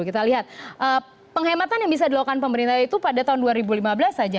kita lihat penghematan yang bisa dilakukan pemerintah itu pada tahun dua ribu lima belas saja